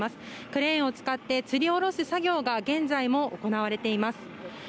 クレーンを使ってつり下ろす作業が現在も行われています。